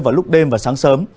vào lúc đêm và sáng sớm